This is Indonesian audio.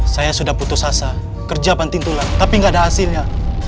saya sudah putus asa kerja banting tulang tapi nggak ada hasilnya